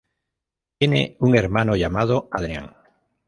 Tiene un hermano llamado Adrian.